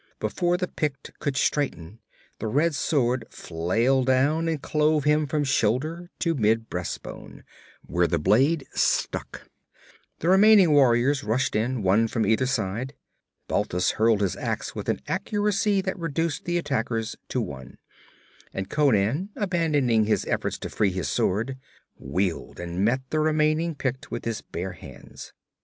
Before the Pict could straighten, the red sword flailed down and clove him from shoulder to mid breastbone, where the blade stuck. The remaining warriors rushed in, one from either side. Balthus hurled his ax with an accuracy that reduced the attackers to one, and Conan, abandoning his efforts to free his sword, wheeled and met the remaining Pict with his bare hands.